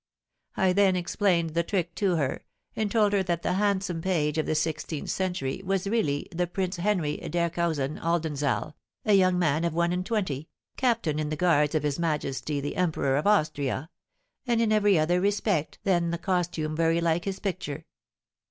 "I then explained the trick to her, and told her that the handsome page of the sixteenth century was really the Prince Henry d'Herkaüsen Oldenzaal, a young man of one and twenty, captain in the guards of his majesty the Emperor of Austria, and in every other respect than the costume very like his picture.